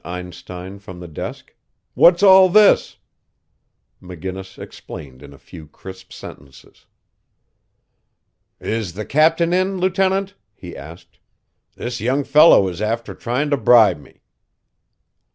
Einstein from the desk; "what's all this?" McGinnis explained in a few crisp sentences. "Is the captain in, Lieutenant?" he asked. "This young fellow is after trying to bribe me."